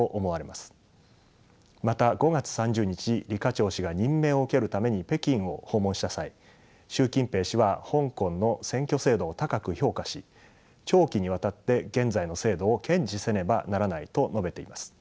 また５月３０日李家超氏が任命を受けるために北京を訪問した際習近平氏は香港の選挙制度を高く評価し長期にわたって現在の制度を堅持せねばならないと述べています。